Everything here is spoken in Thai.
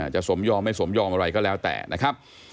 สมยอมไม่สมยอมอะไรก็แล้วแต่นะครับ